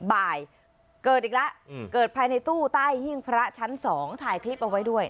เกิดอีกแล้วเกิดภายในตู้ใต้หิ้งพระชั้น๒ถ่ายคลิปเอาไว้ด้วย